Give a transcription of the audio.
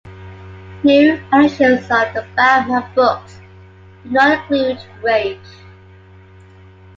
New editions of "The Bachman Books" do not include "Rage".